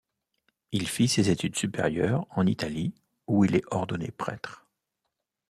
Il fit ses études supérieures en Italie, où il est ordonné prêtre.